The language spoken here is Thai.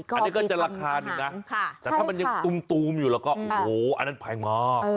อันนี้ก็จะราคาหนึ่งนะแต่ถ้ามันยังตูมอยู่แล้วก็โอ้โหอันนั้นแพงมาก